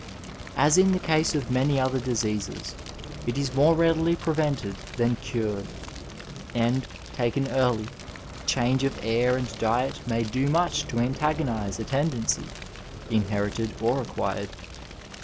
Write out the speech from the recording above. As in the case of many other diseases, it is more readily prevented than cured, and, taken early, change of air and diet may do much to antagonise a tendency, inherited or acquired.